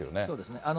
そうですね。